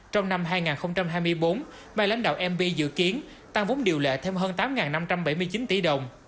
trong năm hai nghìn hai mươi bốn bài lãnh đạo mv dự kiến tăng vốn điều lệ thêm hơn tám năm trăm bảy mươi chín tỷ đồng